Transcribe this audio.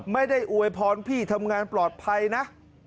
อวยพรพี่ทำงานปลอดภัยนะ